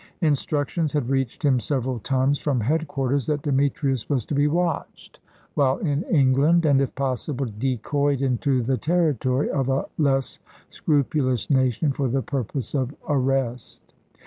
Instructions had reached him several times from headquarters that Demetrius was to be watched while in England, and, if possible, decoyed into the territory of a less scrupulous nation, for the purpose of arrest.